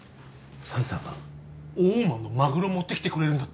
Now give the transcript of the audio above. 紗英さんが大間のマグロ持ってきてくれるんだって。